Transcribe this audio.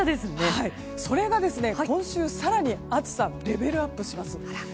それが、今週更に暑さ、レベルアップします。